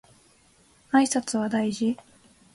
挨拶は大事